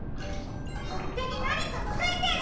とってになにかついてる。